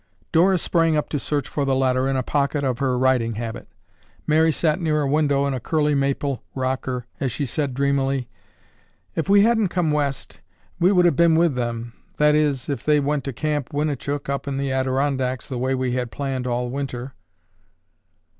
Dora sprang up to search for the letter in a pocket of her riding habit. Mary sat near a window in a curly maple rocker as she said dreamily: "If we hadn't come West, we would have been with them—that is, if they went to Camp Winnichook up in the Adirondacks the way we had planned all winter."